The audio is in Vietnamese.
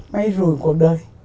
máy rùi của cuộc đời